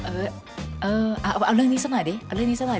เออเออเอาเรื่องนี้ซะหน่อยดิ